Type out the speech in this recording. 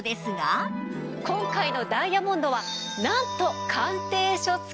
今回のダイヤモンドはなんと鑑定書付き。